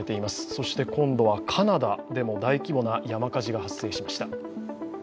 そして今度はカナダでも大規模な山火事が発生しました。